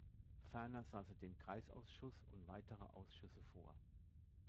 Ferner saß er dem Kreisausschuss und weiterer Ausschüsse vor.